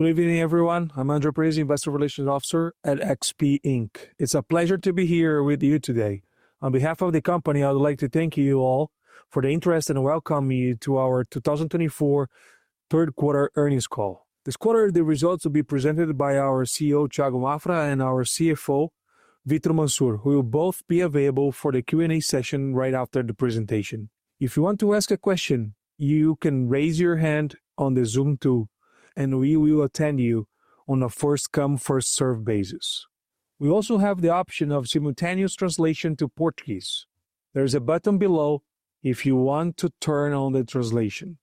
Good evening, everyone. I'm Andre Parize, Investor Relations Officer at XP Inc. It's a pleasure to be here with you today. On behalf of the company, I would like to thank you all for the interest and welcome you to our 2024 third quarter earnings call. This quarter, the results will be presented by our CEO, Thiago Maffra, and our CFO, Victor Mansur, who will both be available for the Q&A session right after the presentation. If you want to ask a question, you can raise your hand on the Zoom too, and we will attend you on a first-come, first-served basis. We also have the option of simultaneous translation to Portuguese. There is a button below if you want to turn on the translation.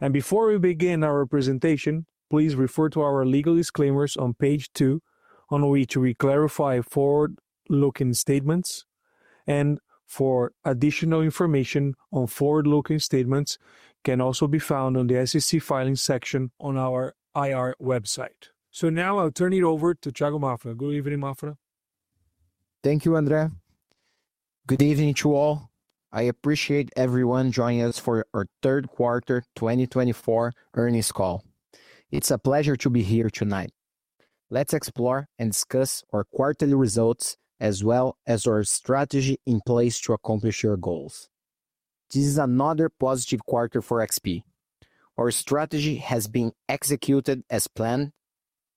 And before we begin our presentation, please refer to our legal disclaimers on page two, on which we clarify forward-looking statements. For additional information on forward-looking statements, you can also be found on the SEC filing section on our IR website. Now I'll turn it over to Thiago Maffra. Good evening, Maffra. Thank you, Andre. Good evening to all. I appreciate everyone joining us for our third quarter 2024 earnings call. It's a pleasure to be here tonight. Let's explore and discuss our quarterly results, as well as our strategy in place to accomplish your goals. This is another positive quarter for XP. Our strategy has been executed as planned,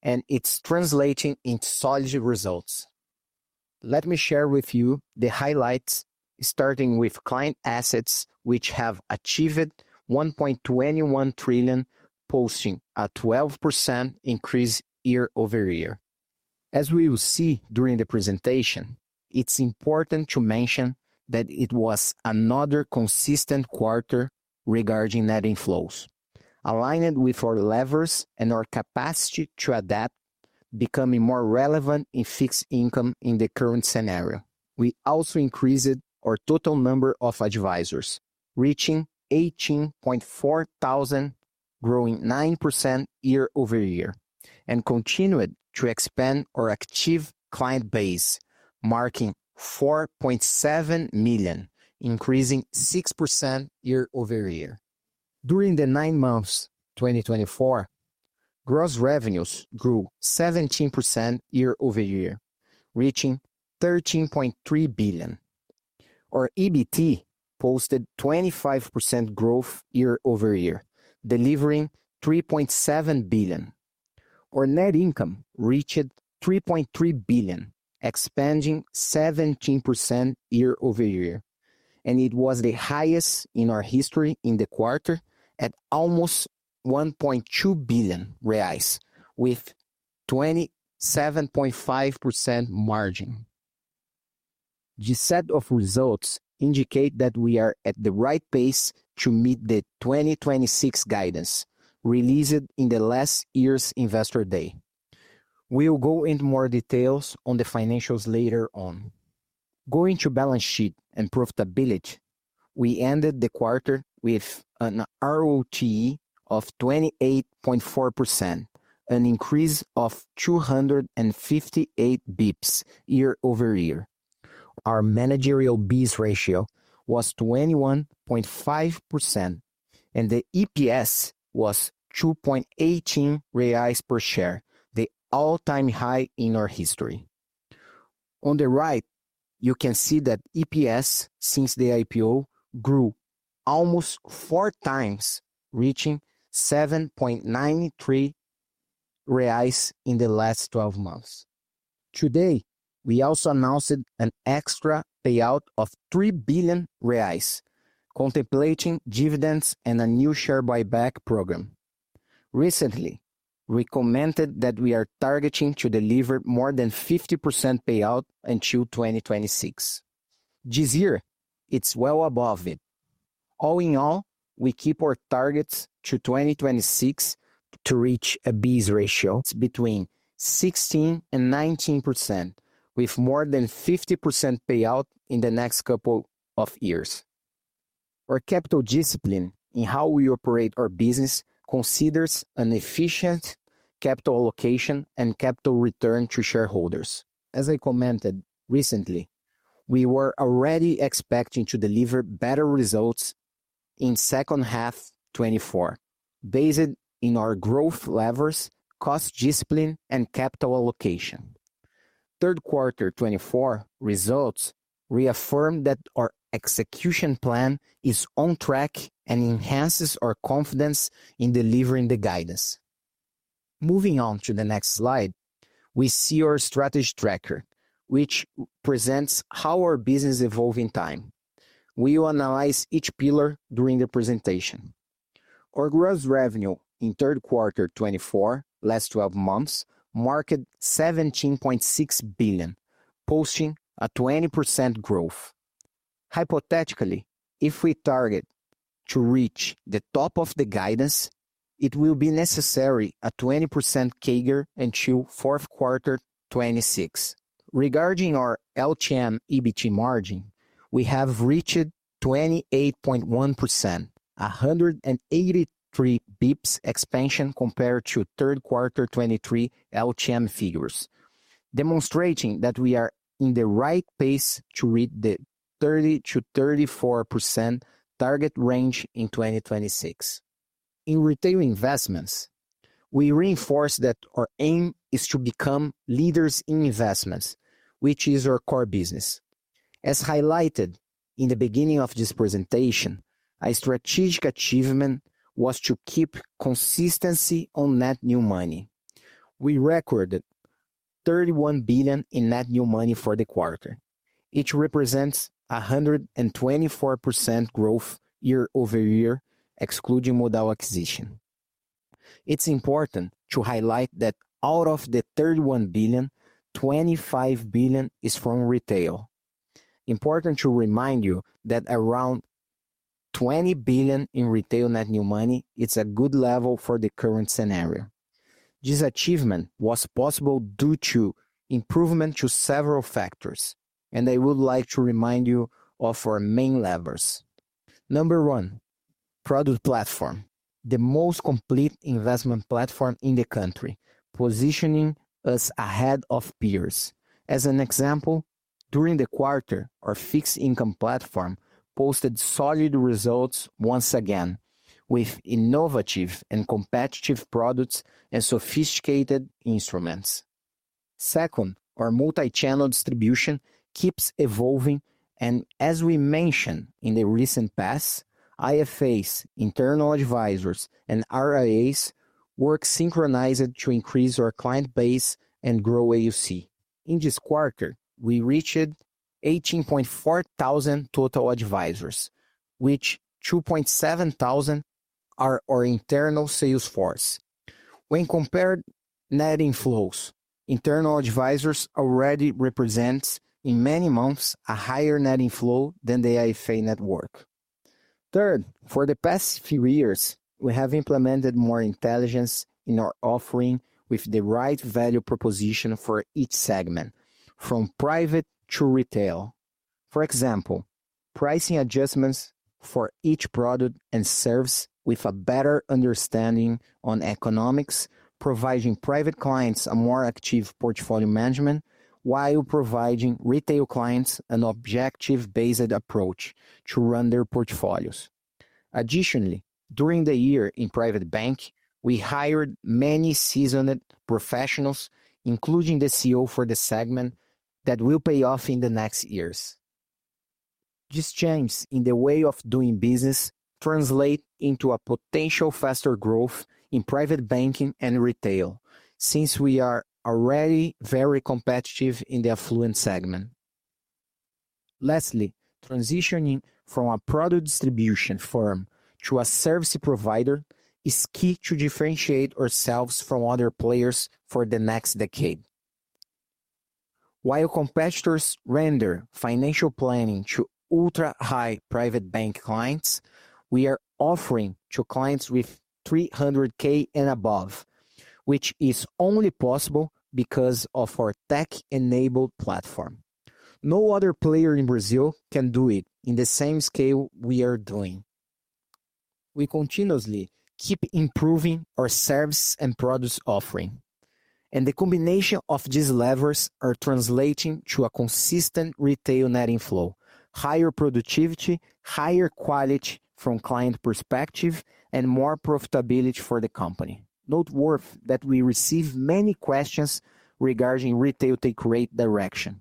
and it's translating into solid results. Let me share with you the highlights, starting with client assets, which have achieved 1.21 trillion, posting a 12% increase year-over-year. As we will see during the presentation, it's important to mention that it was another consistent quarter regarding net inflows, aligning with our levers and our capacity to adapt, becoming more relevant in fixed income in the current scenario. We also increased our total number of advisors, reaching 18,400, growing 9% year-over-year, and continued to expand our active client base, marking 4.7 million, increasing 6% year-over-year. During the nine months of 2024, gross revenues grew 17% year-over-year, reaching BRL 13.3 billion. Our EBT posted 25% growth year-over-year, delivering 3.7 billion. Our net income reached 3.3 billion, expanding 17% year-over-year, and it was the highest in our history in the quarter at almost 1.2 billion reais, with a 27.5% margin. The set of results indicates that we are at the right pace to meet the 2026 guidance released in the last year's Investor Day. We'll go into more details on the financials later on. Going to balance sheet and profitability, we ended the quarter with an ROTE of 28.4%, an increase of 258 basis points year-over-year. Our BIS ratio was 21.5%, and the EPS was 2.18 reais per share, the all-time high in our history. On the right, you can see that EPS since the IPO grew almost four times, reaching 7.93 reais in the last 12 months. Today, we also announced an extra payout of 3 billion reais, contemplating dividends and a new share buyback program. Recently, we commented that we are targeting to deliver more than 50% payout until 2026. This year, it's well above it. All in all, we keep our targets to 2026 to reach a BIS ratio between 16% and 19%, with more than 50% payout in the next couple of years. Our capital discipline in how we operate our business considers efficient capital allocation and capital return to shareholders. As I commented recently, we were already expecting to deliver better results in the second half of 2024, based on our growth levers, cost discipline, and capital allocation. Third quarter 2024 results reaffirm that our execution plan is on track and enhances our confidence in delivering the guidance. Moving on to the next slide, we see our strategy tracker, which presents how our business evolves in time. We will analyze each pillar during the presentation. Our gross revenue in third quarter 2024, last 12 months, reached 17.6 billion, posting a 20% growth. Hypothetically, if we target to reach the top of the guidance, it will be necessary a 20% CAGR until fourth quarter 2026. Regarding our LTM EBT margin, we have reached 28.1%, a 183 bps expansion compared to third quarter 2023 LTM figures, demonstrating that we are in the right pace to reach the 30%-34% target range in 2026. In retail investments, we reinforce that our aim is to become leaders in investments, which is our core business. As highlighted in the beginning of this presentation, our strategic achievement was to keep consistency on net new money. We recorded 31 billion in net new money for the quarter, which represents a 124% growth year-over-year, excluding Modal acquisition. It's important to highlight that out of the 31 billion, 25 billion is from retail. Important to remind you that around 20 billion in retail net new money is a good level for the current scenario. This achievement was possible due to improvement to several factors, and I would like to remind you of our main levers. Number one, product platform, the most complete investment platform in the country, positioning us ahead of peers. As an example, during the quarter, our fixed income platform posted solid results once again, with innovative and competitive products and sophisticated instruments. Second, our multi-channel distribution keeps evolving, and as we mentioned in the recent past, IFAs, internal advisors, and RIAs work synchronized to increase our client base and grow AUC. In this quarter, we reached 18,400 total advisors, which 2,700 are our internal sales force. When compared to net inflows, internal advisors already represent, in many months, a higher net inflow than the IFA network. Third, for the past few years, we have implemented more intelligence in our offering with the right value proposition for each segment, from private to retail. For example, pricing adjustments for each product and services with a better understanding on economics, providing private clients a more active portfolio management while providing retail clients an objective-based approach to run their portfolios. Additionally, during the year in private banking, we hired many seasoned professionals, including the CEO for the segment, that will pay off in the next years. This change in the way of doing business translates into a potential faster growth in private banking and retail, since we are already very competitive in the affluent segment. Lastly, transitioning from a product distribution firm to a service provider is key to differentiate ourselves from other players for the next decade. While competitors render financial planning to ultra-high private bank clients, we are offering to clients with 300,000 and above, which is only possible because of our tech-enabled platform. No other player in Brazil can do it in the same scale we are doing. We continuously keep improving our services and product offering, and the combination of these levers is translating to a consistent retail net inflow, higher productivity, higher quality from client perspective, and more profitability for the company. Noteworthy that we receive many questions regarding retail take rate direction.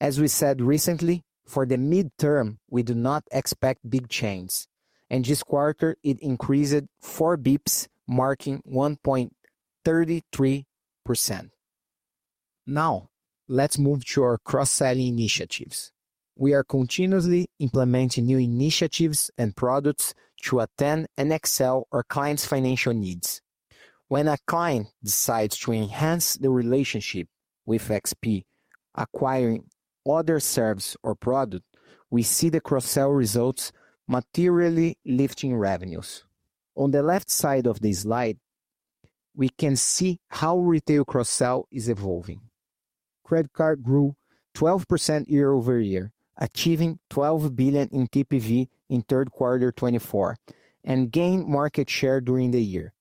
As we said recently, for the midterm, we do not expect big change, and this quarter it increased 4 bps, marking 1.33%. Now, let's move to our cross-selling initiatives. We are continuously implementing new initiatives and products to attend and excel our clients' financial needs. When a client decides to enhance the relationship with XP, acquiring other services or products, we see the cross-sell results materially lifting revenues. On the left side of the slide, we can see how retail cross-sell is evolving. Credit card grew 12% year-over-year, achieving 12 billion in TPV in third quarter 2024, and gained market share during the year.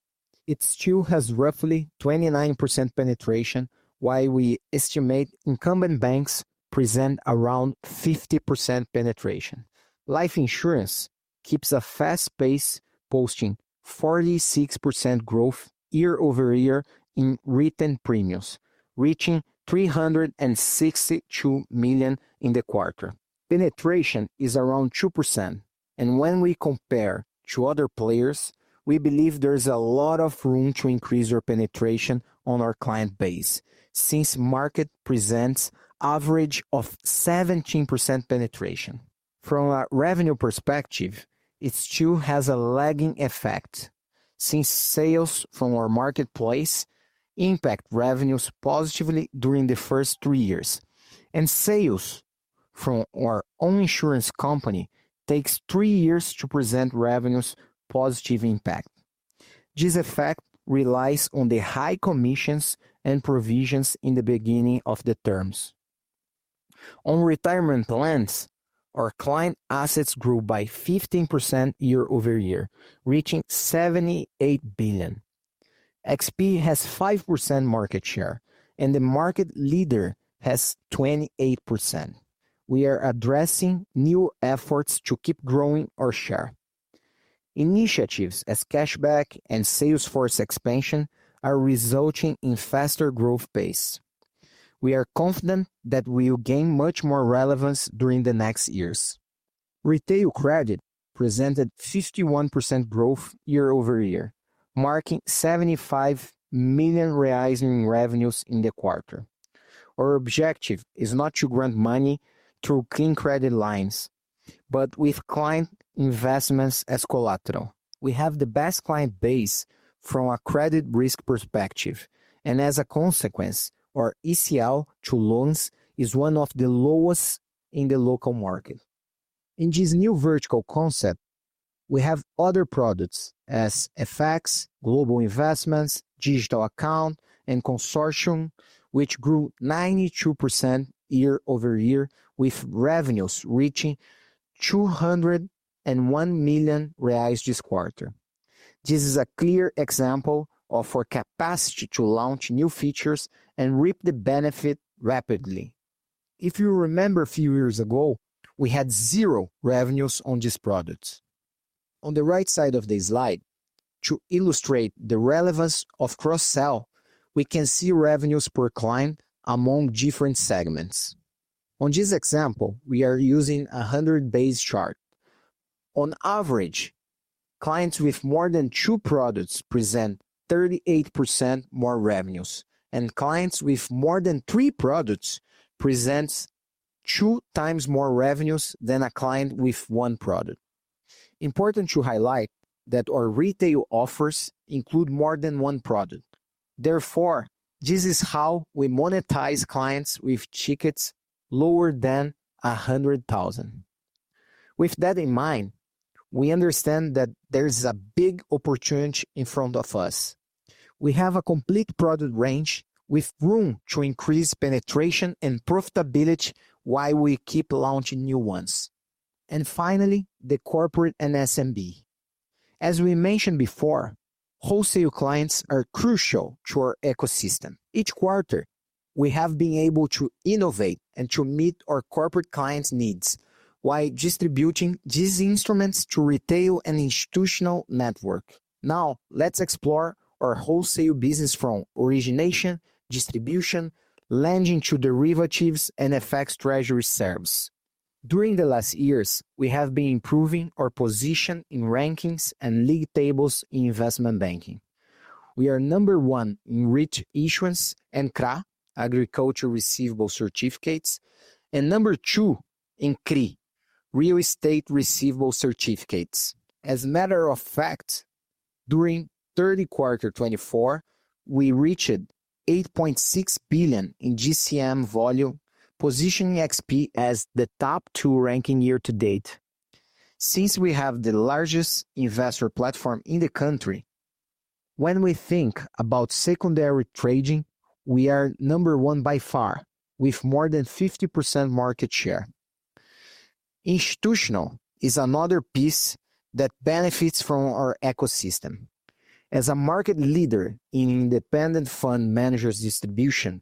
It still has roughly 29% penetration, while we estimate incumbent banks present around 50% penetration. Life insurance keeps a fast pace, posting 46% growth year-over-year in written premiums, reaching 362 million in the quarter. Penetration is around 2%, and when we compare to other players, we believe there's a lot of room to increase our penetration on our client base, since market presents an average of 17% penetration. From a revenue perspective, it still has a lagging effect, since sales from our marketplace impact revenues positively during the first three years, and sales from our own insurance company take three years to present revenues positive impact. This effect relies on the high commissions and provisions in the beginning of the terms. On retirement plans, our client assets grew by 15% year-over-year, reaching 78 billion. XP has 5% market share, and the market leader has 28%. We are addressing new efforts to keep growing our share. Initiatives as cashback and sales force expansion are resulting in a faster growth pace. We are confident that we will gain much more relevance during the next years. Retail credit presented 51% growth year-over-year, marking 75 million reais in revenues in the quarter. Our objective is not to grant money through clean credit lines, but with client investments as collateral. We have the best client base from a credit risk perspective, and as a consequence, our ECL to loans is one of the lowest in the local market. In this new vertical concept, we have other products as FX, global investments, digital account, and consortium, which grew 92% year-over-year, with revenues reaching 201 million reais this quarter. This is a clear example of our capacity to launch new features and reap the benefit rapidly. If you remember a few years ago, we had zero revenues on these products. On the right side of the slide, to illustrate the relevance of cross-sell, we can see revenues per client among different segments. On this example, we are using a 100-base chart. On average, clients with more than two products present 38% more revenues, and clients with more than three products present two times more revenues than a client with one product. Important to highlight that our retail offers include more than one product. Therefore, this is how we monetize clients with tickets lower than 100,000. With that in mind, we understand that there's a big opportunity in front of us. We have a complete product range with room to increase penetration and profitability, while we keep launching new ones. And finally, the corporate and SMB. As we mentioned before, wholesale clients are crucial to our ecosystem. Each quarter, we have been able to innovate and to meet our corporate clients' needs, while distributing these instruments to retail and institutional network. Now, let's explore our wholesale business from origination, distribution, lending to derivatives, and FX treasury services. During the last years, we have been improving our position in rankings and league tables in investment banking. We are number one in REIT issuance and CRA, Certificates of Agribusiness Receivables, and number two in CRI, Certificates of Real Estate Receivables. As a matter of fact, during third quarter 2024, we reached 8.6 billion in DCM volume, positioning XP as the top two ranking year to date. Since we have the largest investor platform in the country, when we think about secondary trading, we are number one by far, with more than 50% market share. Institutional is another piece that benefits from our ecosystem. As a market leader in independent fund managers distribution,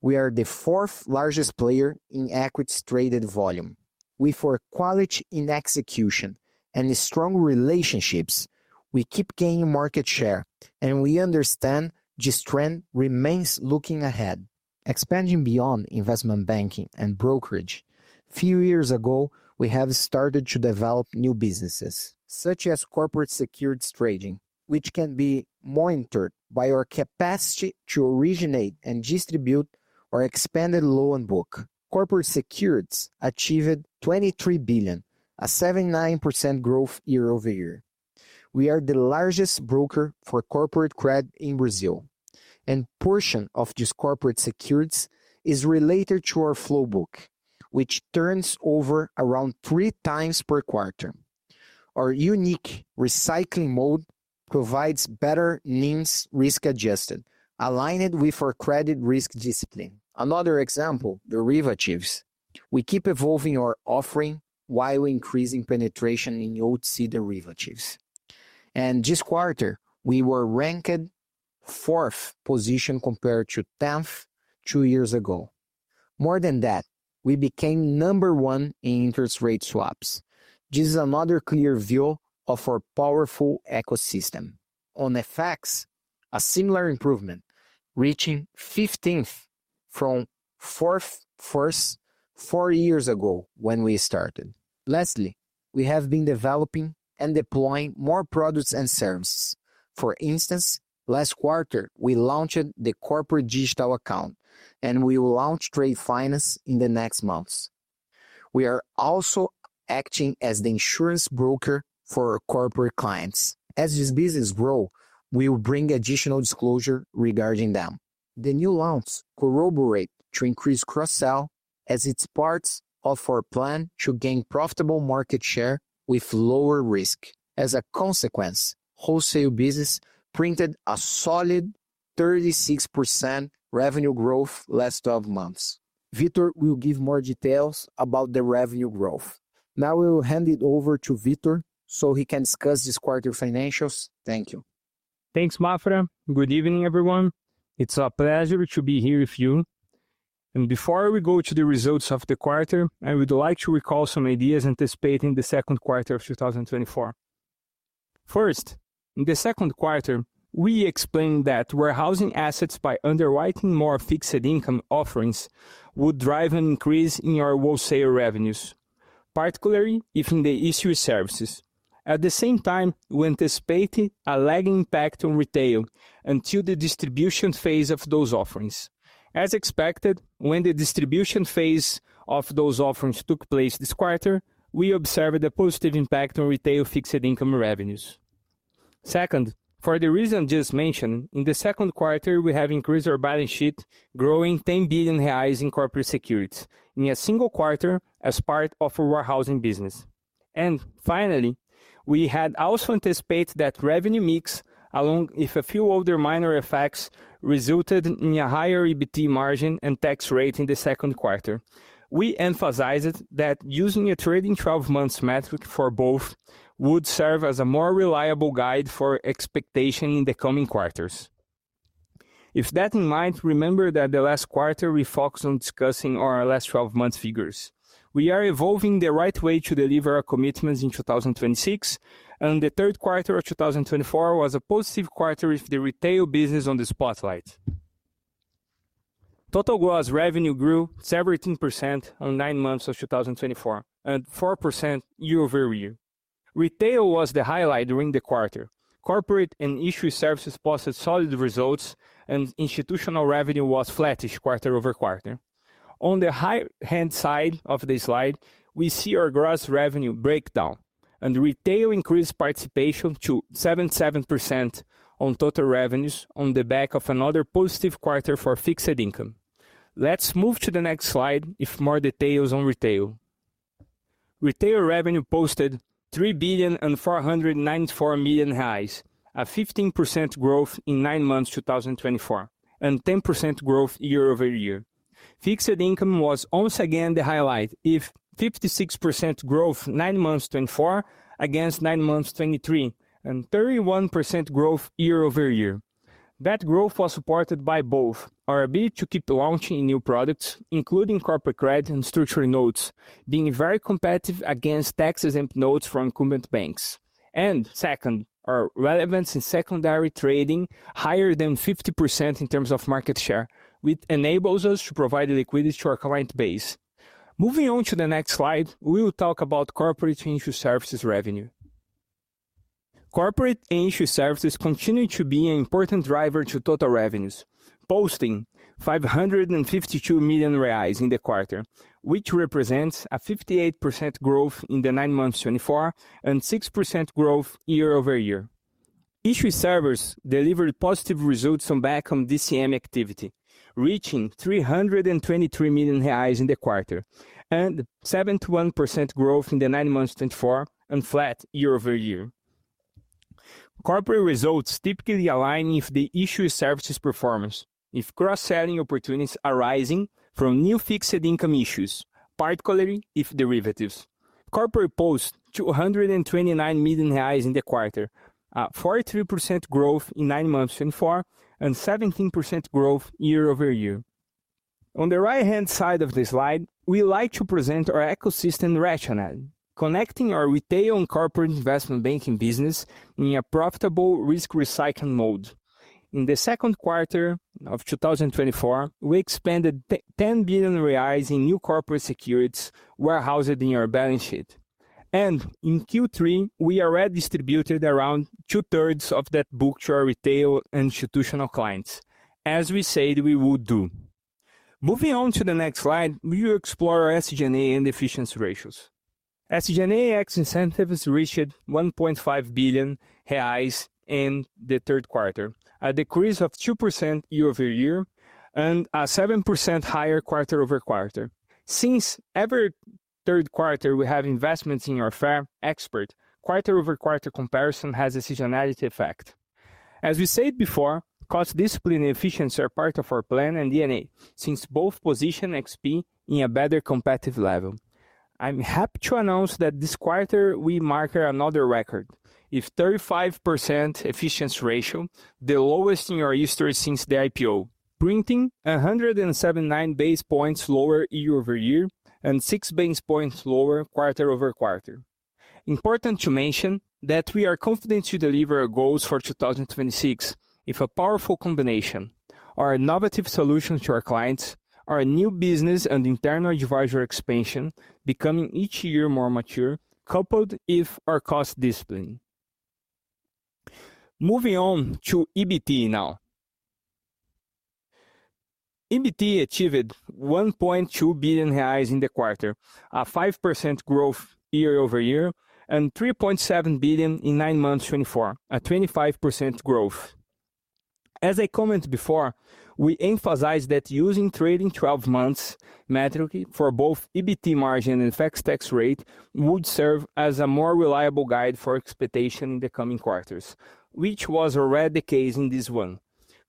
we are the fourth largest player in equity traded volume. With our quality in execution and strong relationships, we keep gaining market share, and we understand this trend remains looking ahead. Expanding beyond investment banking and brokerage, a few years ago, we have started to develop new businesses, such as corporate securities trading, which can be monitored by our capacity to originate and distribute our expanded loan book. Corporate securities achieved 23 billion, a 79% growth year-over-year. We are the largest broker for corporate credit in Brazil, and a portion of these corporate securities is related to our flow book, which turns over around three times per quarter. Our unique recycling mode provides better NIMs risk adjusted, aligning with our credit risk discipline. Another example, derivatives. We keep evolving our offering while increasing penetration in OTC derivatives. And this quarter, we were ranked fourth position compared to tenth two years ago. More than that, we became number one in interest rate swaps. This is another clear view of our powerful ecosystem. On FX, a similar improvement, reaching first from fourth first years ago when we started. Lastly, we have been developing and deploying more products and services. For instance, last quarter, we launched the corporate digital account, and we will launch trade finance in the next months. We are also acting as the insurance broker for our corporate clients. As this business grows, we will bring additional disclosure regarding them. The new launch corroborates to increase cross-sell as it's part of our plan to gain profitable market share with lower risk. As a consequence, wholesale business printed a solid 36% revenue growth last 12 months. Victor will give more details about the revenue growth. Now we will hand it over to Victor so he can discuss this quarter's financials. Thank you. Thanks, Maffra. Good evening, everyone. It's a pleasure to be here with you. Before we go to the results of the quarter, I would like to recall some ideas anticipating the second quarter of 2024. First, in the second quarter, we explained that warehousing assets by underwriting more fixed income offerings would drive an increase in our wholesale revenues, particularly in the ECM services. At the same time, we anticipated a lagging impact on retail until the distribution phase of those offerings. As expected, when the distribution phase of those offerings took place this quarter, we observed a positive impact on retail fixed income revenues. Second, for the reason just mentioned, in the second quarter, we have increased our balance sheet, growing 10 billion reais in corporate securities in a single quarter as part of our warehousing business. Finally, we had also anticipated that revenue mix, along with a few other minor effects, resulted in a higher EBT margin and tax rate in the second quarter. We emphasized that using a trailing 12-month metric for both would serve as a more reliable guide for expectation in the coming quarters. With that in mind, remember that the last quarter we focused on discussing our trailing 12-month figures. We are evolving the right way to deliver our commitments in 2026, and the third quarter of 2024 was a positive quarter with the retail business in the spotlight. Total gross revenue grew 17% over nine months of 2024 and 4% year-over-year. Retail was the highlight during the quarter. Corporate and issuer services posted solid results, and institutional revenue was flattish quarter-over-quarter. On the right-hand side of the slide, we see our gross revenue breakdown, and retail increased participation to 77% on total revenues on the back of another positive quarter for fixed income. Let's move to the next slide with more details on retail. Retail revenue posted 3.494 billion, a 15% growth in nine months 2024 and 10% growth year-over-year. Fixed income was once again the highlight, with 56% growth nine months 2024 against nine months 2023 and 31% growth year-over-year. That growth was supported by both our ability to keep launching new products, including corporate credit and structural notes, being very competitive against tax-exempt notes from incumbent banks. Second, our relevance in secondary trading is higher than 50% in terms of market share, which enables us to provide liquidity to our client base. Moving on to the next slide, we will talk about corporate and issuance services revenue. Corporate and issuance services continue to be an important driver to total revenues, posting 552 million reais in the quarter, which represents a 58% growth in the nine months 2024 and 6% growth year-over-year. Issuance services delivered positive results on the back of DCM activity, reaching 323 million reais in the quarter and 71% growth in the nine months 2024 and flat year-over-year. Corporate results typically align with the issuance services performance if cross-selling opportunities are arising from new fixed income issues, particularly if derivatives. Corporate posted 229 million reais in the quarter, a 43% growth in nine months 2024 and 17% growth year-over-year. On the right-hand side of the slide, we like to present our ecosystem rationale, connecting our retail and corporate investment banking business in a profitable risk recycling mode. In the second quarter of 2024, we expanded 10 billion reais in new corporate securities warehoused in our balance sheet. In Q3, we already distributed around two-thirds of that book to our retail and institutional clients, as we said we would do. Moving on to the next slide, we will explore SG&A and efficiency ratios. SG&A ex incentives reached 1.5 billion reais in the third quarter, a decrease of 2% year-over-year and a 7% higher quarter-over-quarter. Since every third quarter, we have investments in our XP Expert, quarter-over-quarter comparison has a seasonality effect. As we said before, cost discipline and efficiency are part of our plan and DNA, since both position XP in a better competitive level. I'm happy to announce that this quarter, we mark another record with a 35% efficiency ratio, the lowest in our history since the IPO, printing 179 basis points lower year-over-year and 6 basis points lower quarter-over-quarter. Important to mention that we are confident to deliver our goals for 2026 with a powerful combination: our innovative solutions to our clients, our new business and internal advisor expansion becoming each year more mature, coupled with our cost discipline. Moving on to EBT now. EBT achieved 1.2 billion reais in the quarter, a 5% growth year-over-year, and 3.7 billion in nine months 2024, a 25% growth. As I commented before, we emphasized that using trailing 12-month metrics for both EBT margin and effective tax rate would serve as a more reliable guide for expectation in the coming quarters, which was already the case in this one.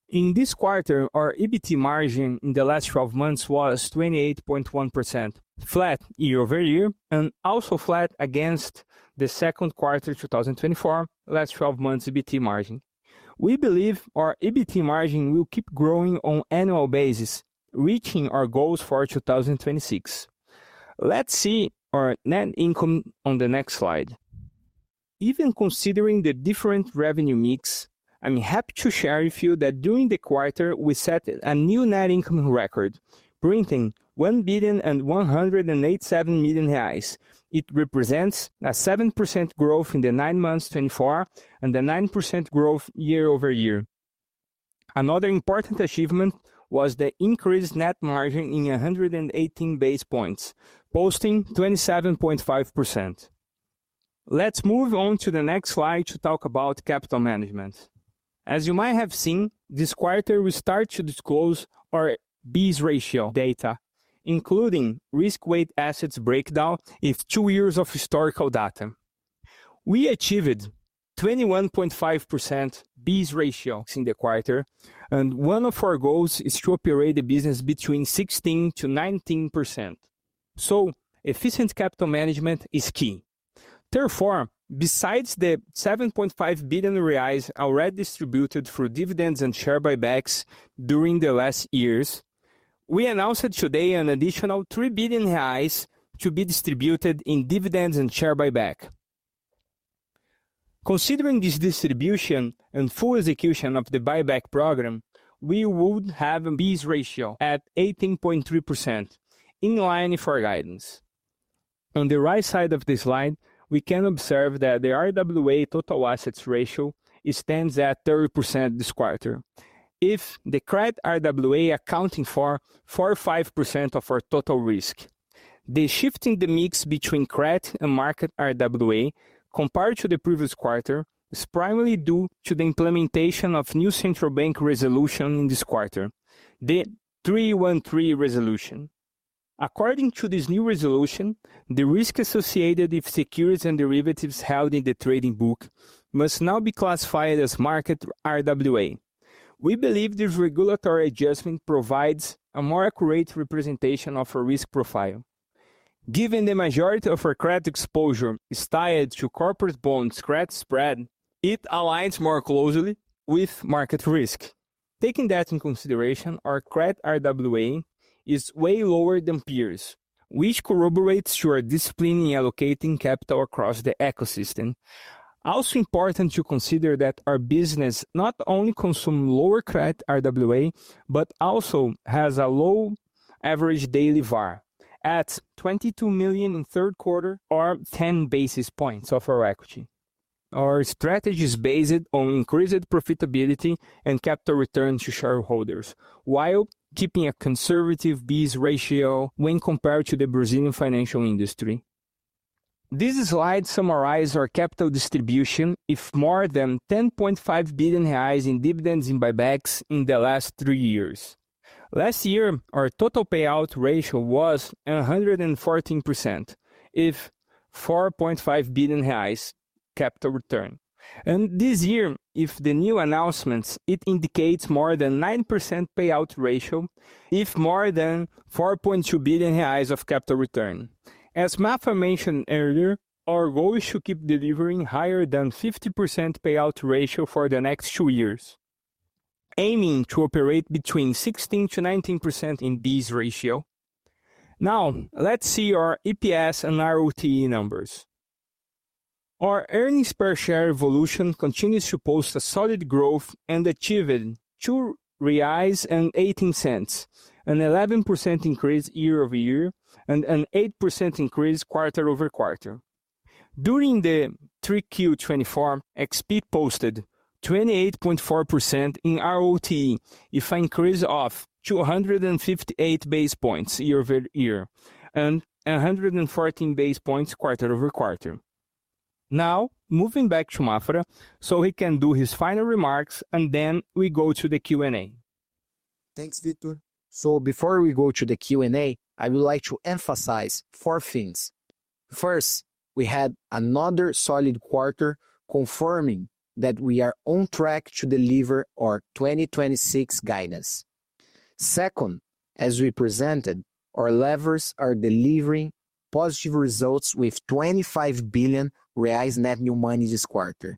In this quarter, our EBT margin in the last 12 months was 28.1%, flat year-over-year, and also flat against the second quarter 2024 last 12-month EBT margin. We believe our EBT margin will keep growing on an annual basis, reaching our goals for 2026. Let's see our net income on the next slide. Even considering the different revenue mix, I'm happy to share with you that during the quarter, we set a new net income record, printing 1.187 billion. It represents a 7% growth in the nine months 2024 and a 9% growth year-over-year. Another important achievement was the increased net margin in 118 basis points, posting 27.5%. Let's move on to the next slide to talk about capital management. As you might have seen, this quarter, we start to disclose our BIS ratio data, including risk-weighted assets breakdown with two years of historical data. We achieved 21.5% BIS ratio in the quarter, and one of our goals is to operate the business between 16%-19%. Efficient capital management is key. Therefore, besides the 7.5 billion reais already distributed through dividends and share buybacks during the last years, we announced today an additional 3 billion reais to be distributed in dividends and share buyback. Considering this distribution and full execution of the buyback program, we would have a BIS ratio at 18.3%, in line with our guidance. On the right side of the slide, we can observe that the RWA total assets ratio stands at 30% this quarter, with the credit RWA accounting for 45% of our total risk. The shift in the mix between credit and market RWA, compared to the previous quarter, is primarily due to the implementation of a new central bank resolution in this quarter, the 313 Resolution. According to this new resolution, the risk associated with securities and derivatives held in the trading book must now be classified as market RWA. We believe this regulatory adjustment provides a more accurate representation of our risk profile. Given the majority of our credit exposure is tied to corporate bonds' credit spread, it aligns more closely with market risk. Taking that into consideration, our credit RWA is way lower than peers, which corroborates our discipline in allocating capital across the ecosystem. Also important to consider that our business not only consumes lower credit RWA, but also has a low average daily VaR, at 22 million in the third quarter, or 10 basis points of our equity. Our strategy is based on increased profitability and capital returns to shareholders, while keeping a conservative BIS ratio when compared to the Brazilian financial industry. This slide summarizes our capital distribution with more than 10.5 billion reais in dividends and buybacks in the last three years. Last year, our total payout ratio was 114% with 4.5 billion reais capital return. This year, with the new announcements, it indicates more than 90% payout ratio with more than 4.2 billion reais of capital return. As Maffra mentioned earlier, our goal is to keep delivering higher than a 50% payout ratio for the next two years, aiming to operate between 16%-19% in BIS ratio. Now, let's see our EPS and ROTE numbers. Our earnings per share evolution continues to post a solid growth and achieved 2.18 reais, an 11% increase year-over-year, and an 8% increase quarter-over-quarter. During the 3Q 2024, XP posted 28.4% in ROTE with an increase of 258 basis points year-over-year and 114 basis points quarter-over-quarter. Now, moving back to Maffra so he can do his final remarks, and then we go to the Q&A. Thanks, Victor. So, before we go to the Q&A, I would like to emphasize four things. First, we had another solid quarter, confirming that we are on track to deliver our 2026 guidance. Second, as we presented, our levers are delivering positive results with 25 billion reais net new money this quarter,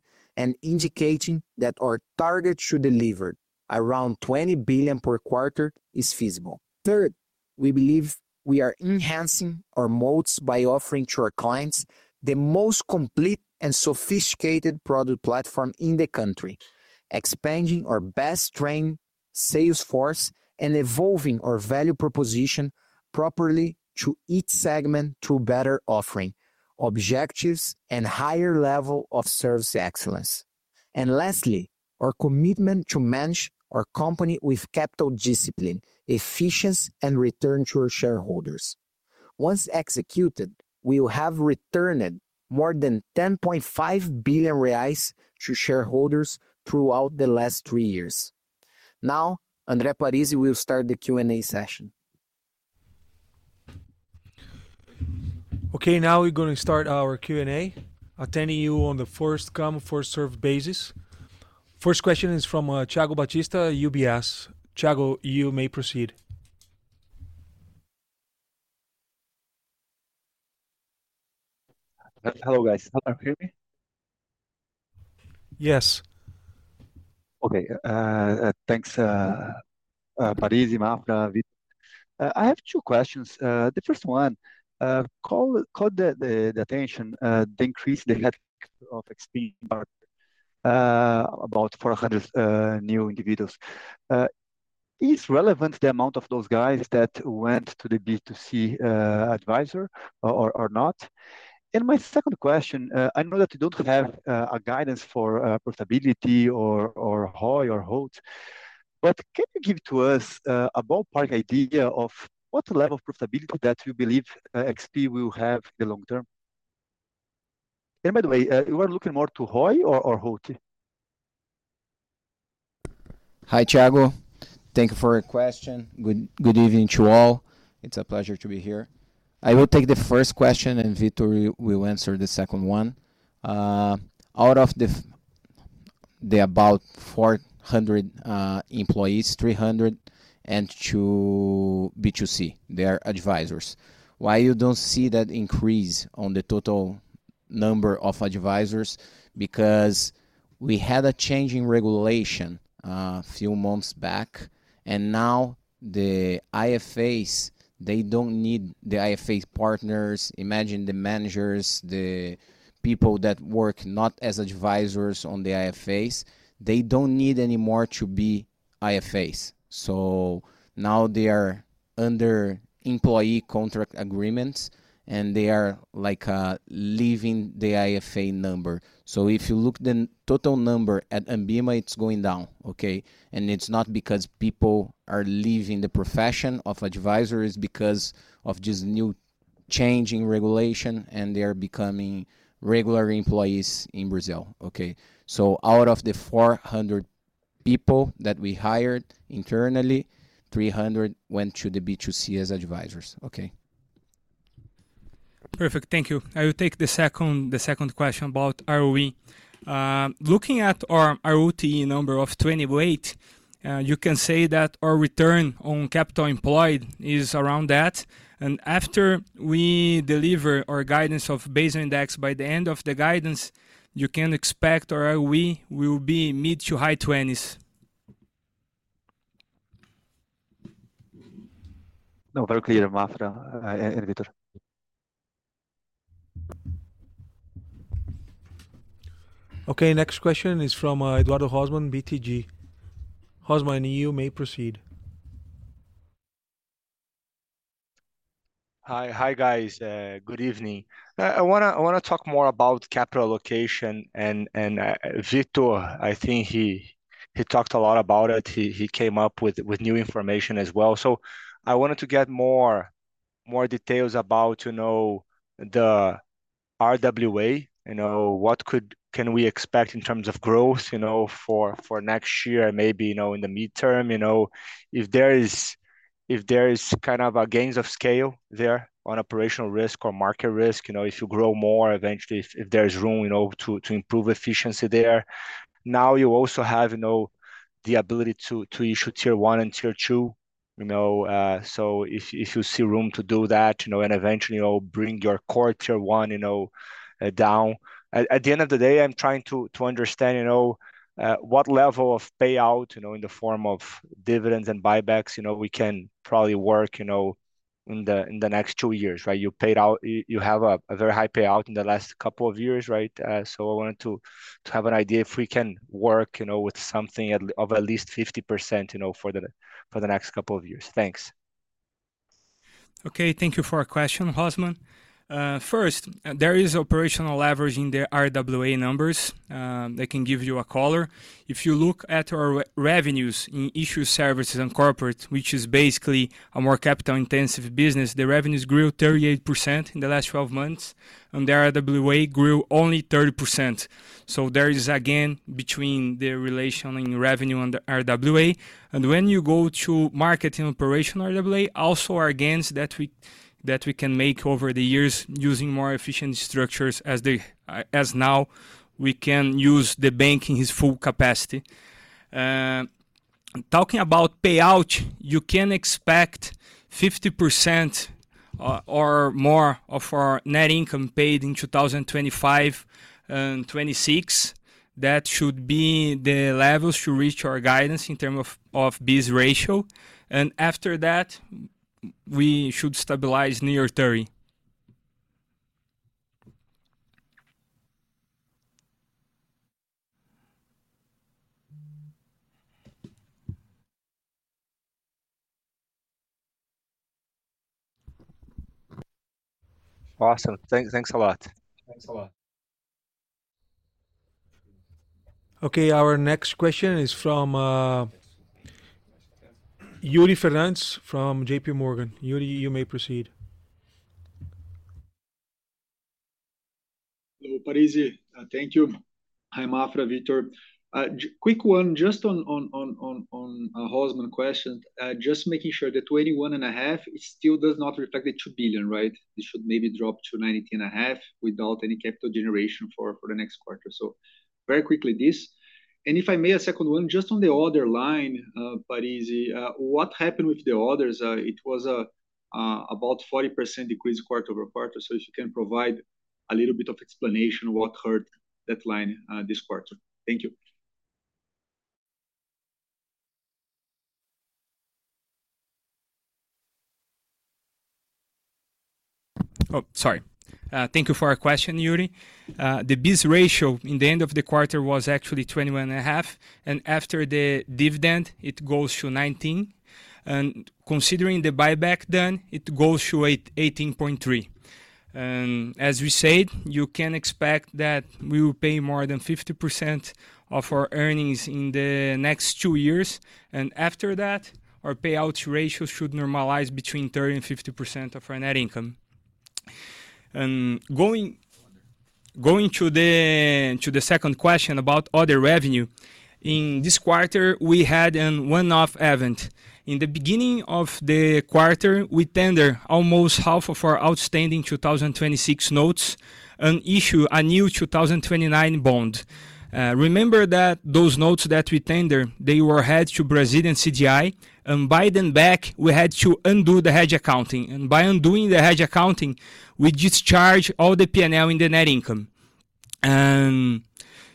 indicating that our target to deliver around 20 billion per quarter is feasible. Third, we believe we are enhancing our moats by offering to our clients the most complete and sophisticated product platform in the country, expanding our best-trained sales force and evolving our value proposition properly to each segment through better offering objectives and a higher level of service excellence. Lastly, our commitment to manage our company with capital discipline, efficiency, and return to our shareholders. Once executed, we will have returned more than 10.5 billion reais to shareholders throughout the last three years. Now, Andre Parize will start the Q&A session. Okay, now we're going to start our Q&A, attending you on the first-come, first-served basis. First question is from Thiago Batista, UBS. Thiago, you may proceed. Hello, guys. Can you hear me? Yes. Okay, thanks, Parize and Maffra. I have two questions. The first one, called the attention, the increase in the headcount of XP about 400 new individuals. Is it relevant the amount of those guys that went to the B2C advisor or not? And my second question, I know that you don't have a guidance for profitability or HOI or HOT, but can you give to us a ballpark idea of what level of profitability that you believe XP will have in the long term? And by the way, you are looking more to ROE or ROTE? Hi, Thiago. Thank you for your question. Good evening to all. It's a pleasure to be here. I will take the first question, and Victor will answer the second one. Out of the about 400 employees, 300 went to B2C, their advisors. Why you don't see that increase on the total number of advisors? Because we had a change in regulation a few months back, and now the IFAs, they don't need the IFA partners. Imagine the managers, the people that work not as advisors on the IFAs, they don't need anymore to be IFAs. So now they are under employee contract agreements, and they are like leaving the IFA number. So if you look at the total number at ANBIMA, it's going down, okay? It's not because people are leaving the profession of advisors. It's because of this new change in regulation, and they are becoming regular employees in Brazil, okay? So out of the 400 people that we hired internally, 300 went to the B2C as advisors, okay? Perfect, thank you. I will take the second question about ROE. Looking at our ROTE number of 28%, you can say that our return on capital employed is around that. After we deliver our guidance of base index by the end of the guidance, you can expect our ROE will be mid to high 20s. No, very clear, Maffra and Victor. Okay, next question is from Eduardo Rosman, BTG. Rosman, you may proceed. Hi, hi guys, good evening. I want to talk more about capital allocation, and Victor, I think he talked a lot about it. He came up with new information as well. I wanted to get more details about the RWA, what can we expect in terms of growth for next year, maybe in the midterm, if there is kind of a gains of scale there on operational risk or market risk, if you grow more eventually, if there's room to improve efficiency there. Now you also have the ability to issue tier one and tier two. If you see room to do that and eventually bring your core tier one down. At the end of the day, I'm trying to understand what level of payout in the form of dividends and buybacks we can probably work in the next two years, right? You have a very high payout in the last couple of years, right? So I wanted to have an idea if we can work with something of at least 50% for the next couple of years. Thanks. Okay, thank you for your question, Rosman. First, there is operational leverage in the RWA numbers. I can give you a color. If you look at our revenues in issues, services, and corporate, which is basically a more capital-intensive business, the revenues grew 38% in the last 12 months, and the RWA grew only 30%. So there is, again, between the relation in revenue and RWA. And when you go to market and operational RWA, also our gains that we can make over the years using more efficient structures as now we can use the bank in its full capacity. Talking about payout, you can expect 50% or more of our net income paid in 2025 and 2026. That should be the levels to reach our guidance in terms of BIS ratio. And after that, we should stabilize near 30. Awesome, thanks a lot. Thanks a lot. Okay, our next question is from Yuri Fernandes from JPMorgan. Yuri, you may proceed. Hello, Parize. Thank you. Hi, Maffra, Victor. Quick one, just on Rosman's question, just making sure that 21.5% still does not reflect the 2 billion, right? It should maybe drop to 19.5% without any capital generation for the next quarter. So very quickly this. And if I may, a second one, just on the order line, Parize, what happened with the orders? It was about 40% decrease quarter-over-quarter. So if you can provide a little bit of explanation what hurt that line this quarter. Thank you. Oh, sorry. Thank you for your question, Yuri. The BIS ratio in the end of the quarter was actually 21.5%, and after the dividend, it goes to 19%. And considering the buyback done, it goes to 18.3%. And as we said, you can expect that we will pay more than 50% of our earnings in the next two years. And after that, our payout ratio should normalize between 30%-50% of our net income. Going to the second question about other revenue, in this quarter, we had a one-off event. In the beginning of the quarter, we tendered almost half of our outstanding 2026 notes and issued a new 2029 bond. Remember that those notes that we tendered, they were hedged to Brazilian CDI, and by tendering back, we had to undo the hedge accounting. And by undoing the hedge accounting, we discharged all the P&L in the net income.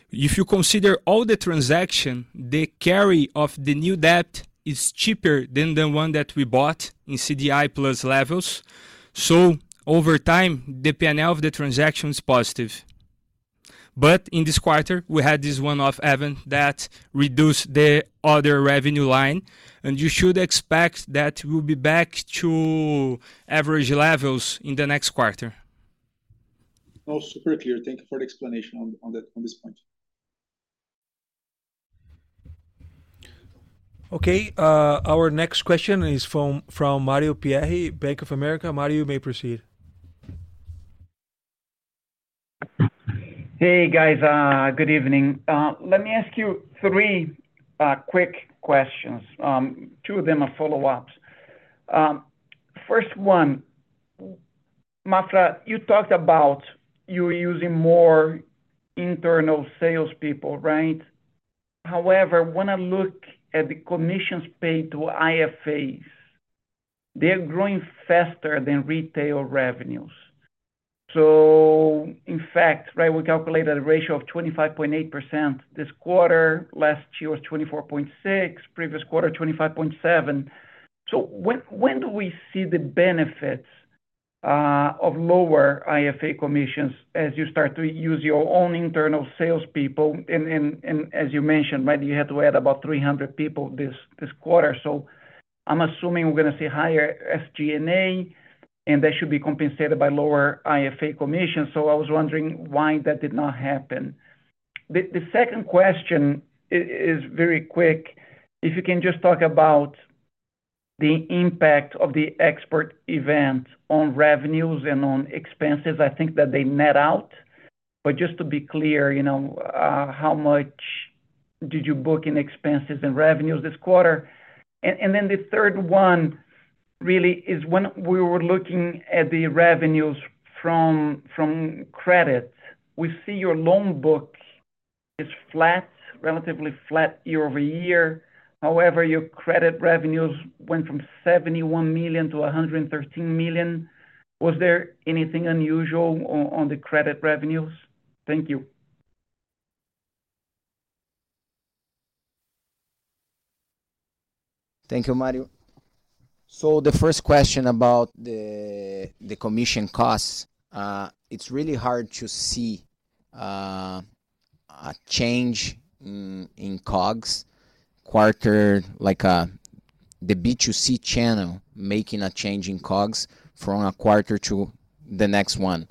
If you consider all the transactions, the carry of the new debt is cheaper than the one that we bought in CDI plus levels. So over time, the P&L of the transaction is positive. But in this quarter, we had this one-off event that reduced the other revenue line, and you should expect that we'll be back to average levels in the next quarter. Oh, super clear. Thank you for the explanation on this point. Okay, our next question is from Mario Pierry, Bank of America. Mario, you may proceed. Hey, guys, good evening. Let me ask you three quick questions. Two of them are follow-ups. First one, Maffra, you talked about you using more internal salespeople, right? However, when I look at the commissions paid to IFAs, they are growing faster than retail revenues. So in fact, we calculated a ratio of 25.8% this quarter. Last year was 24.6%, previous quarter 25.7%. So when do we see the benefits of lower IFA commissions as you start to use your own internal salespeople? And as you mentioned, you had to add about 300 people this quarter. So I'm assuming we're going to see higher SG&A, and that should be compensated by lower IFA commissions. So I was wondering why that did not happen. The second question is very quick. If you can just talk about the impact of the Expert event on revenues and on expenses, I think that they net out. But just to be clear, how much did you book in expenses and revenues this quarter? And then the third one really is when we were looking at the revenues from credit, we see your loan book is flat, relatively flat year-over-year. However, your credit revenues went from 71 million to 113 million. Was there anything unusual on the credit revenues? Thank you. Thank you, Mario. So the first question about the commission costs, it's really hard to see a change in COGS quarter, like the B2C channel making a change in COGS from a quarter to the next one.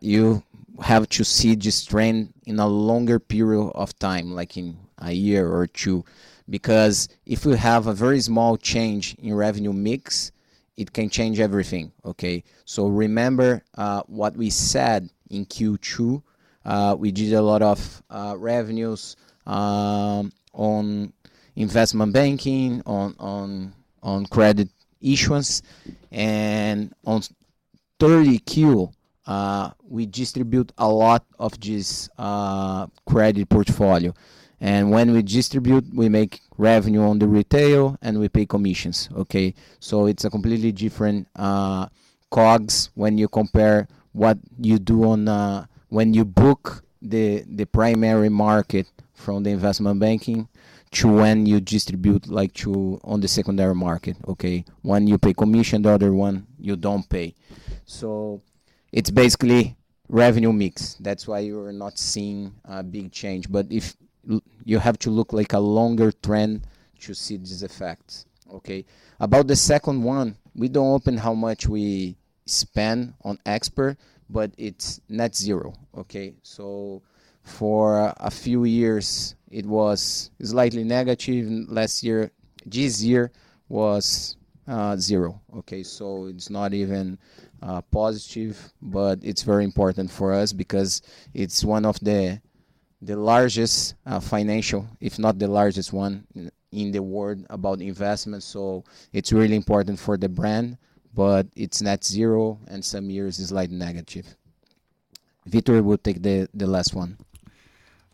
You have to see this trend in a longer period of time, like in a year or two, because if we have a very small change in revenue mix, it can change everything, okay? So remember what we said in Q2, we did a lot of revenues on investment banking, on credit issuance, and on 3Q, we distribute a lot of this credit portfolio. And when we distribute, we make revenue on the retail and we pay commissions, okay? It's a completely different COGS when you compare what you do when you book the primary market from the investment banking to when you distribute on the secondary market, okay? When you pay commission, the other one you don't pay. So it's basically revenue mix. That's why you're not seeing a big change. But you have to look at a longer trend to see these effects, okay? About the second one, we don't disclose how much we spend on Expert, but it's net zero, okay? So for a few years, it was slightly negative. This year was zero, okay? So it's not even positive, but it's very important for us because it's one of the largest financial, if not the largest one in the world about investments. So it's really important for the brand, but it's net zero and some years is slightly negative. Victor will take the last one.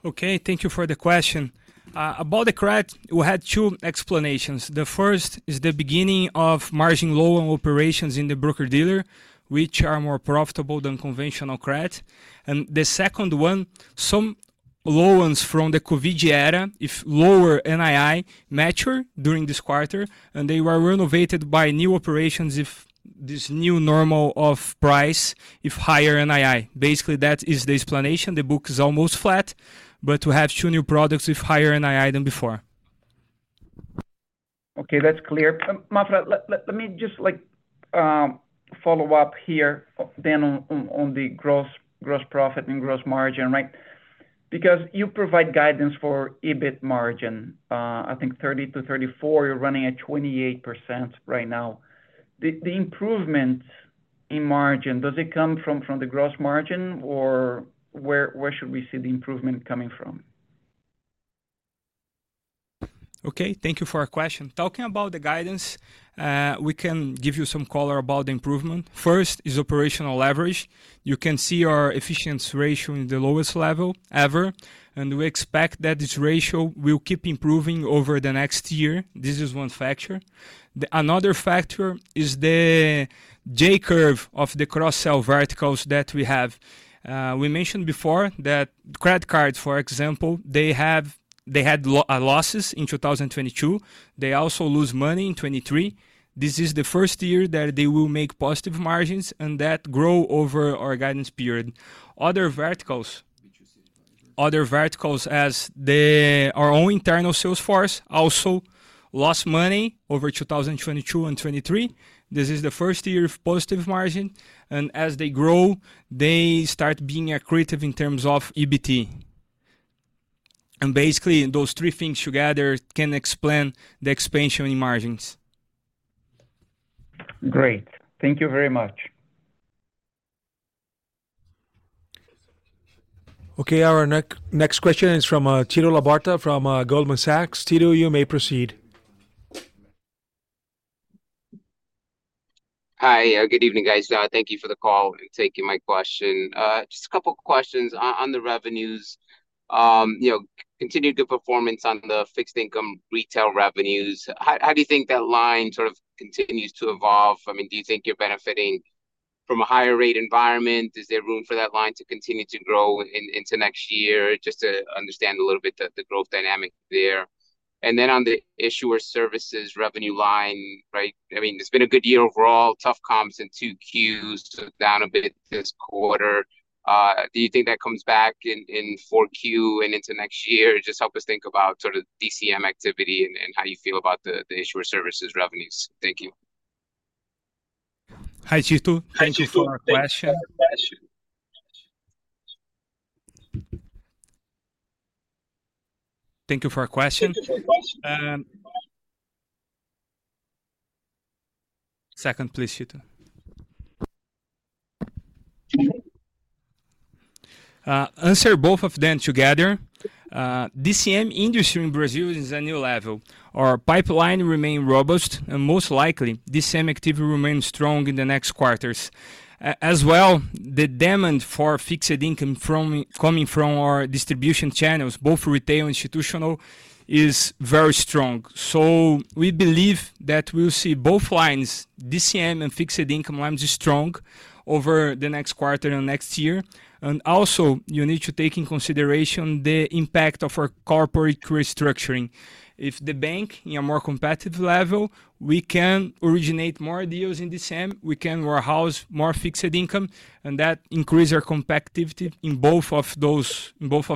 Okay, thank you for the question. About the credit, we had two explanations. The first is the beginning of margin loan operations in the broker-dealer, which are more profitable than conventional credit. And the second one, some loans from the Covid era with lower NII mature during this quarter, and they were renovated by new operations with this new normal of pricing with higher NII. Basically, that is the explanation. The book is almost flat, but we have two new products with higher NII than before. Okay, that's clear. Maffra, let me just follow up here then on the gross profit and gross margin, right? Because you provide guidance for EBIT margin, I think 30%-34%, you're running at 28% right now. The improvement in margin, does it come from the gross margin or where should we see the improvement coming from? Okay, thank you for your question. Talking about the guidance, we can give you some color about the improvement. First is operational leverage. You can see our efficiency ratio in the lowest level ever, and we expect that this ratio will keep improving over the next year. This is one factor. Another factor is the J curve of the cross-sell verticals that we have. We mentioned before that credit cards, for example, they had losses in 2022. They also lose money in 2023. This is the first year that they will make positive margins and that grow over our guidance period. Other verticals as our own internal sales force also lost money over 2022 and 2023. This is the first year of positive margin, and as they grow, they start being accretive in terms of EBT. Basically, those three things together can explain the expansion in margins. Great. Thank you very much. Okay, our next question is from Tito Labarta from Goldman Sachs. Tito, you may proceed. Hi, good evening, guys. Thank you for the call and taking my question. Just a couple of questions on the revenues. Continued good performance on the fixed income retail revenues. How do you think that line sort of continues to evolve? I mean, do you think you're benefiting from a higher rate environment? Is there room for that line to continue to grow into next year? Just to understand a little bit the growth dynamic there. And then on the issuer services revenue line, right? I mean, it's been a good year overall, tough comps in two Qs, so down a bit this quarter. Do you think that comes back in 4Q and into next year? Just help us think about sort of DCM activity and how you feel about the issuer services revenues. Thank you. Hi, Thiago. Thank you for our question. Second, please, Thiago. Answer both of them together. DCM industry in Brazil is at a new level. Our pipeline remains robust, and most likely, DCM activity remains strong in the next quarters. As well, the demand for fixed income coming from our distribution channels, both retail and institutional, is very strong. So we believe that we'll see both lines, DCM and fixed income lines, strong over the next quarter and next year. And also, you need to take into consideration the impact of our corporate restructuring. If the bank is at a more competitive level, we can originate more deals in DCM, we can warehouse more fixed income, and that increases our competitiveness in both of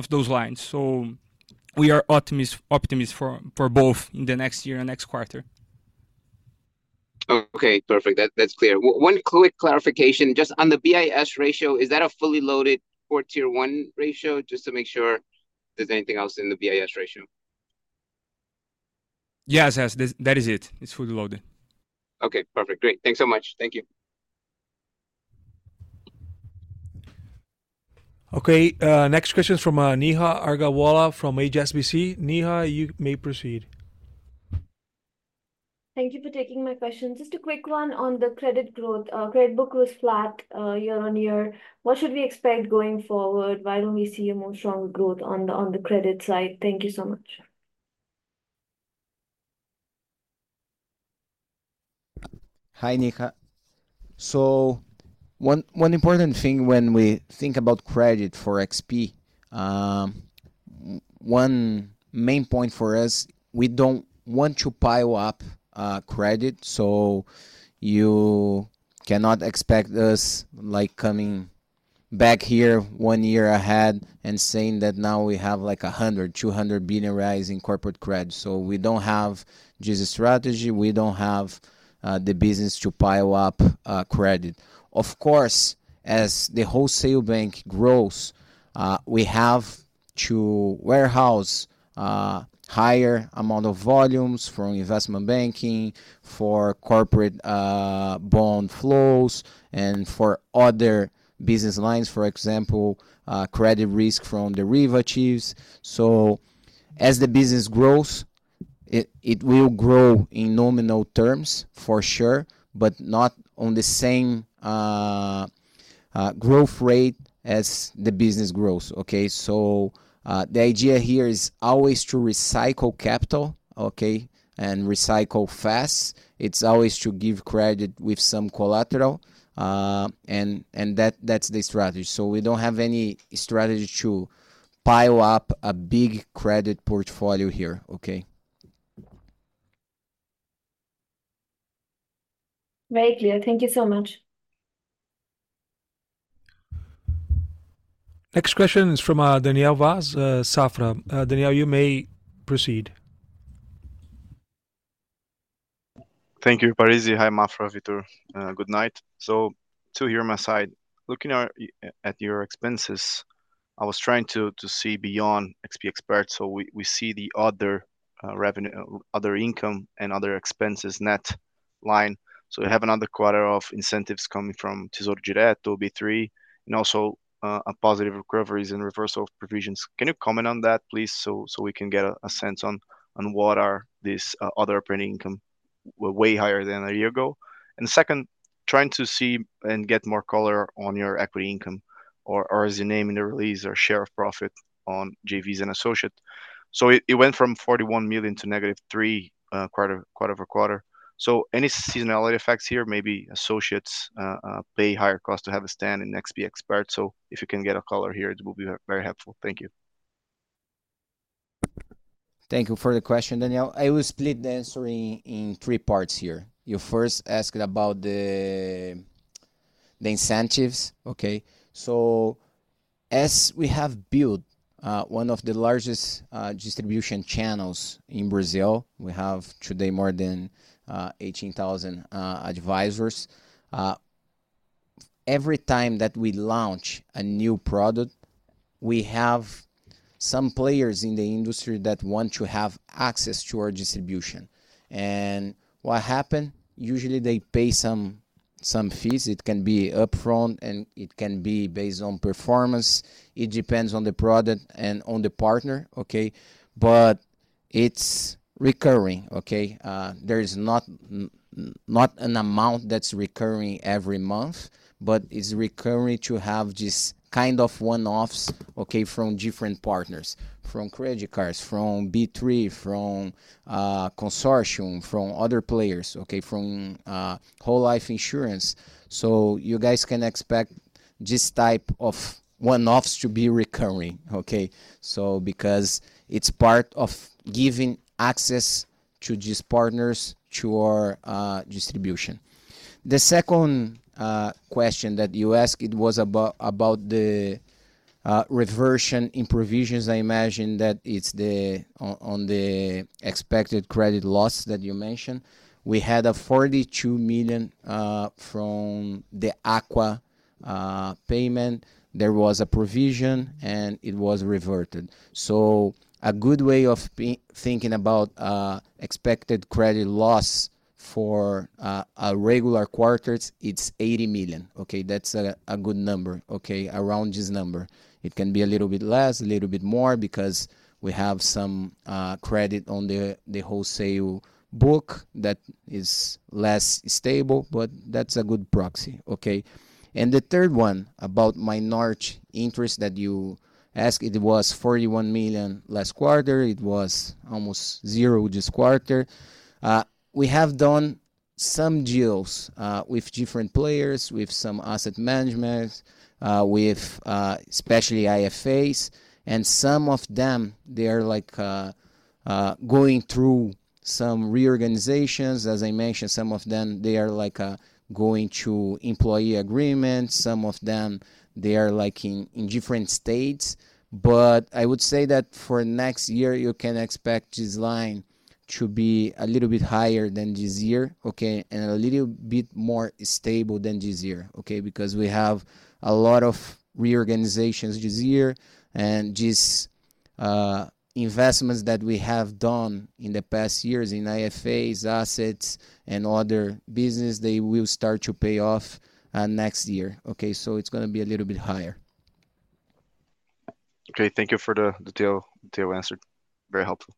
those lines. So we are optimistic for both in the next year and next quarter. Okay, perfect. That's clear. One quick clarification. Just on the BIS ratio, is that a fully loaded Tier 1 ratio? Just to make sure, is there anything else in the BIS ratio? Yes, yes. That is it. It's fully loaded. Okay, perfect. Great. Thanks so much. Thank you. Okay, next question is from Neha Agarwala from HSBC. Neha, you may proceed. Thank you for taking my question. Just a quick one on the credit growth. Credit book was flat year-on-year. What should we expect going forward? Why don't we see a more strong growth on the credit side? Thank you so much. Hi, Neha. So one important thing when we think about credit for XP, one main point for us, we don't want to pile up credit. So you cannot expect us coming back here one year ahead and saying that now we have like 100billion-200 billion rise in corporate credit. So we don't have just a strategy. We don't have the business to pile up credit. Of course, as the wholesale bank grows, we have to warehouse higher amount of volumes from investment banking for corporate bond flows and for other business lines, for example, credit risk from derivatives. So as the business grows, it will grow in nominal terms for sure, but not on the same growth rate as the business grows, okay? So the idea here is always to recycle capital, okay, and recycle fast. It's always to give credit with some collateral, and that's the strategy. So we don't have any strategy to pile up a big credit portfolio here, okay? Very clear. Thank you so much. Next question is from Daniel Vaz, Safra. Daniel, you may proceed. Thank you, Parize. Hi, Maffra, Mansur. Good night. So to hear my side, looking at your expenses, I was trying to see beyond XP Expert. So we see the other revenue, other income, and other expenses net line. So we have another quarter of incentives coming from Tesouro Direto, B3, and also positive recoveries and reversal provisions. Can you comment on that, please, so we can get a sense on what are these other operating income way higher than a year ago? And second, trying to see and get more color on your equity income or as shown in the release or share of profit on JVs and associates. So it went from 41 million to negative three quarter-over-quarter. So any seasonality effects here, maybe associates pay higher cost to have a stand in XP Expert. So if you can get a color here, it will be very helpful. Thank you. Thank you for the question, Daniel. I will split the answer in three parts here. You first asked about the incentives, okay? As we have built one of the largest distribution channels in Brazil, we have today more than 18,000 advisors. Every time that we launch a new product, we have some players in the industry that want to have access to our distribution. And what happened, usually they pay some fees. It can be upfront and it can be based on performance. It depends on the product and on the partner, okay? But it's recurring, okay? There is not an amount that's recurring every month, but it's recurring to have this kind of one-offs, okay, from different partners, from credit cards, from B3, from consortium, from other players, okay, from whole life insurance. So you guys can expect this type of one-offs to be recurring, okay? So because it's part of giving access to these partners to our distribution. The second question that you asked, it was about the reversion in provisions. I imagine that it's on the expected credit loss that you mentioned. We had a 42 million from the Acqua payment. There was a provision and it was reverted. So a good way of thinking about expected credit loss for regular quarters, it's 80 million. Okay, that's a good number, okay, around this number. It can be a little bit less, a little bit more because we have some credit on the wholesale book that is less stable, but that's a good proxy, okay? And the third one about minority interest that you asked, it was 41 million last quarter. It was almost zero this quarter. We have done some deals with different players, with some asset management, with especially IFAs. And some of them, they are like going through some reorganizations. As I mentioned, some of them, they are like going to employee agreements. Some of them, they are like in different states. But I would say that for next year, you can expect this line to be a little bit higher than this year, okay, and a little bit more stable than this year, okay, because we have a lot of reorganizations this year. And these investments that we have done in the past years in IFAs, assets, and other businesses, they will start to pay off next year, okay? So it's going to be a little bit higher. Okay, thank you for the detailed answer. Very helpful.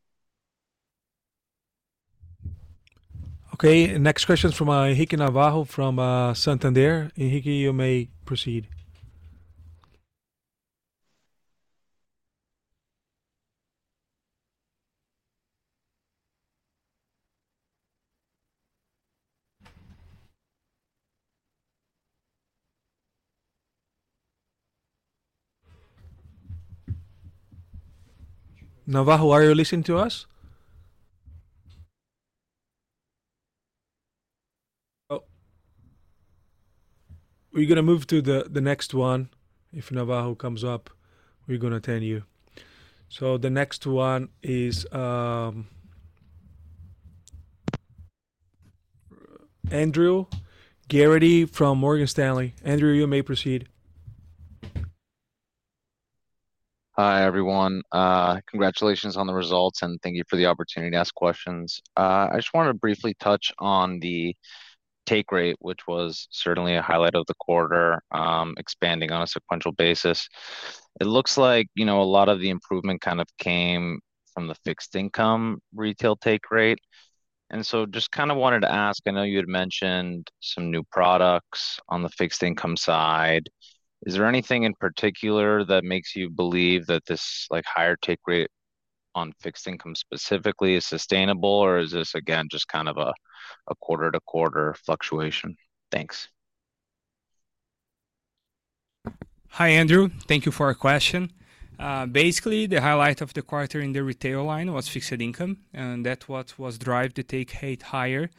Okay, next question is from Henrique Navarro from Santander. Henrique, you may proceed. Navarro, are you listening to us? We're going to move to the next one. If Navarro comes up, we're going to answer you. So the next one is Andrew Geraghty from Morgan Stanley. Andrew, you may proceed. Hi, everyone. Congratulations on the results, and thank you for the opportunity to ask questions. I just want to briefly touch on the take rate, which was certainly a highlight of the quarter, expanding on a sequential basis. It looks like a lot of the improvement kind of came from the fixed income retail take rate. And so just kind of wanted to ask, I know you had mentioned some new products on the fixed income side. Is there anything in particular that makes you believe that this higher take rate on fixed income specifically is sustainable, or is this, again, just kind of a quarter-to-quarter fluctuation? Thanks. Hi, Andrew. Thank you for your question. Basically, the highlight of the quarter in the retail line was fixed income, and that's what drove the take rate higher.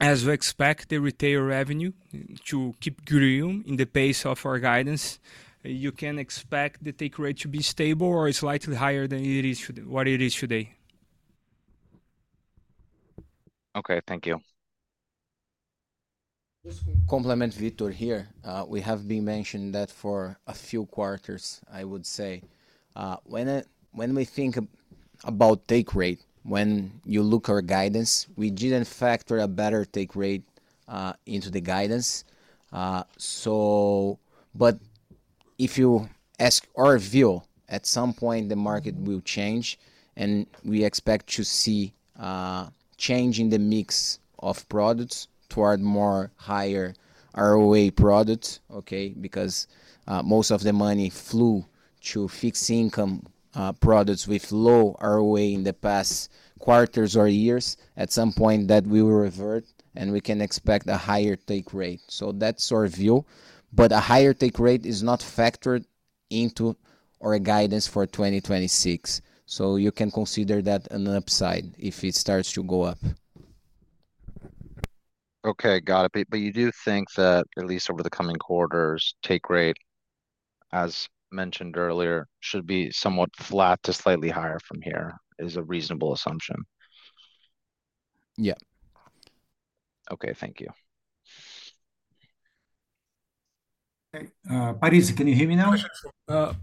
As we expect the retail revenue to keep growing at the pace of our guidance, you can expect the take rate to be stable or slightly higher than what it is today. Okay, thank you. Just to complement Victor here, we have been mentioning that for a few quarters, I would say. When we think about take rate, when you look at our guidance, we didn't factor a better take rate into the guidance. But if you ask our view, at some point, the market will change, and we expect to see a change in the mix of products toward more higher ROA products, okay, because most of the money flowed to fixed income products with low ROA in the past quarters or years. At some point, that will revert, and we can expect a higher take rate. So that's our view. But a higher take rate is not factored into our guidance for 2026. So you can consider that an upside if it starts to go up. Okay, got it. But you do think that at least over the coming quarters, take rate, as mentioned earlier, should be somewhat flat to slightly higher from here is a reasonable assumption. Yeah. Okay, thank you. Parize, can you hear me now?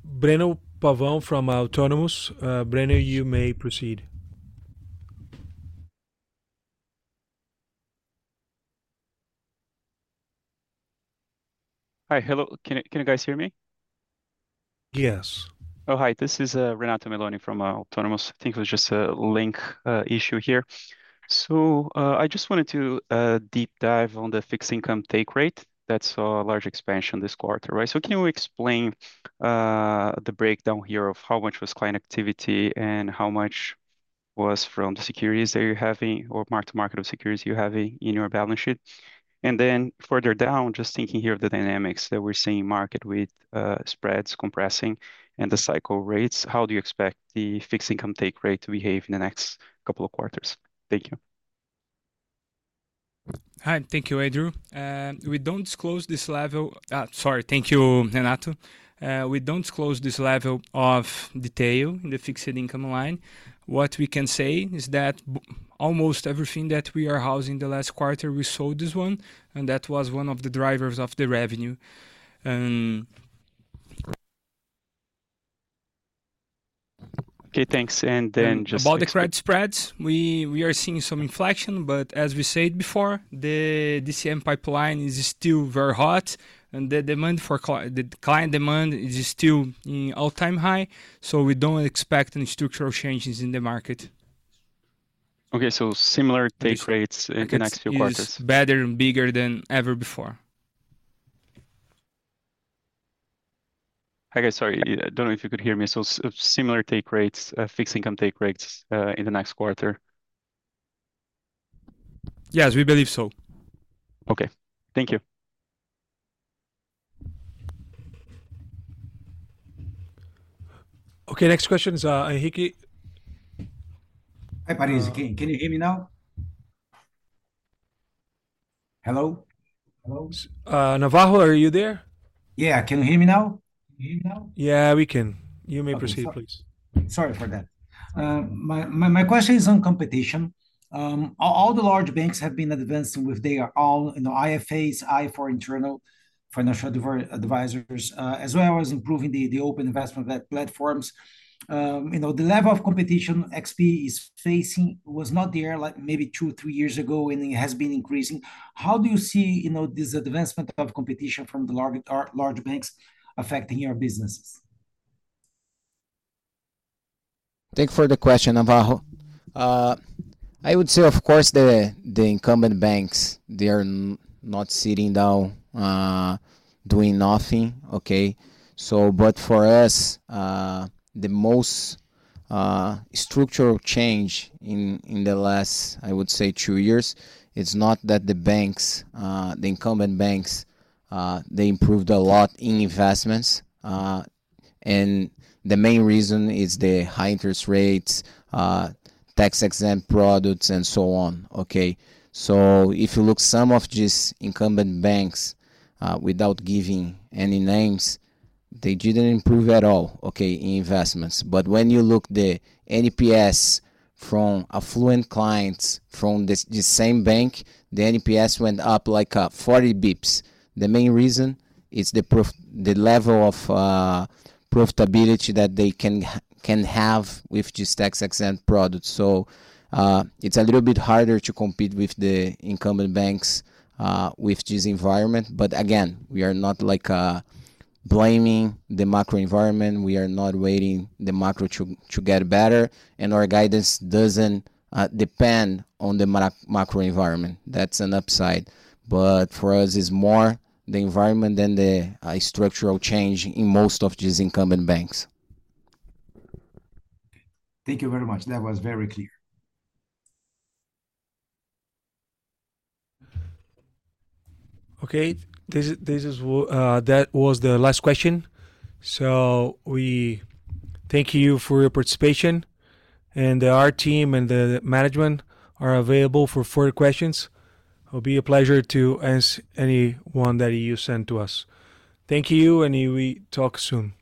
Brennan Pavon from Autonomous. Brennan, you may proceed. Hi, hello. Can you guys hear me? Yes. Oh, hi. This is Renato Meloni from Autonomous. I think it was just a link issue here. So I just wanted to deep dive on the fixed income take rate. That's a large expansion this quarter, right? So can you explain the breakdown here of how much was client activity and how much was from the securities that you're having or mark-to-market of securities you're having in your balance sheet? And then further down, just thinking here of the dynamics that we're seeing market with spreads compressing and the cycle rates, how do you expect the fixed income take rate to behave in the next couple of quarters? Thank you. Hi, thank you, Andrew. We don't disclose this level. Sorry, thank you, Renato. We don't disclose this level of detail in the fixed income line. What we can say is that almost everything that we are housing the last quarter, we sold this one, and that was one of the drivers of the revenue. Okay, thanks. And then just about the credit spreads, we are seeing some inflection, but as we said before, the DCM pipeline is still very hot, and the demand for the client demand is still in all-time high. So we don't expect any structural changes in the market. Okay, so similar take rates in the next few quarters. It's better and bigger than ever before. Hi, guys. Sorry, I don't know if you could hear me. So similar take rates, fixed income take rates in the next quarter. Yes, we believe so. Okay, thank you. Okay, next question is Henrique. Hi, Parize. Can you hear me now? Hello? Hello? Navarro, are you there? Yeah, can you hear me now? Yeah, we can. You may proceed, please. Sorry for that. My question is on competition. All the large banks have been advancing with their own IFAs, IFR internal financial advisors, as well as improving the open investment platforms. The level of competition XP is facing was not there maybe two, three years ago, and it has been increasing. How do you see this advancement of competition from the large banks affecting your businesses? Thank you for the question, Navarro. I would say, of course, the incumbent banks, they are not sitting down doing nothing, okay? But for us, the most structural change in the last, I would say, two years, it's not that the banks, the incumbent banks, they improved a lot in investments. And the main reason is the high interest rates, tax-exempt products, and so on, okay? So if you look, some of these incumbent banks, without giving any names, they didn't improve at all, okay, in investments. But when you look at the NPS from affluent clients from the same bank, the NPS went up like 40 bps. The main reason is the level of profitability that they can have with these tax-exempt products. So it's a little bit harder to compete with the incumbent banks with this environment. But again, we are not blaming the macro environment. We are not waiting for the macro to get better. And our guidance doesn't depend on the macro environment. That's an upside. But for us, it's more the environment than the structural change in most of these incumbent banks. Thank you very much. That was very clear. Okay, that was the last question. So we thank you for your participation. Our team and the management are available for further questions. It will be a pleasure to answer anyone that you send to us. Thank you, and we talk soon.